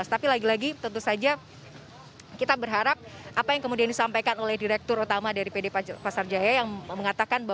tapi lagi lagi tentu saja kita berharap apa yang kemudian disampaikan oleh direktur utama dari pd pasar jaya yang mengatakan